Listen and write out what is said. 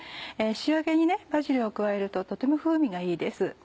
仕上げにバジルを加えるととても風味がいいです。